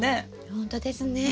ほんとですね。